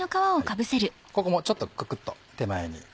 ここもちょっとククっと手前に。